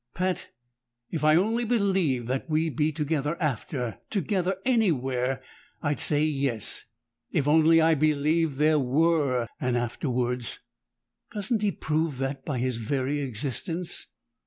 "Pat if I only believed that we'd be together after, together anywhere, I'd say yes. If only I believed there were an afterwards!" "Doesn't he prove that by his very existence?"